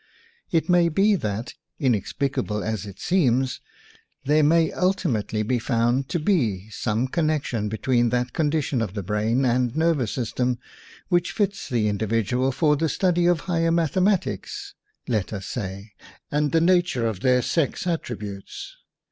It may be that, inexplicable as it seems, there may ultimately be found to be some connection between that condition of the brain and nervous system which fits the individual for the study of the higher mathematics, let us WOMAN AND WAR say, and the nature of their sex attri butes.